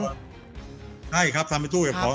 ใช่ครับทำเป็นตู้กับเขา